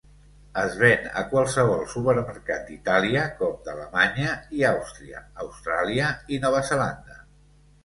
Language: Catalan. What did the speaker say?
Es ven a qualsevol supermercat d'Itàlia, com d'Alemanya i Àustria, Austràlia i Nova Zelanda.